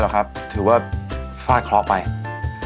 ฉันจะตัดพ่อตัดลูกกับแกเลย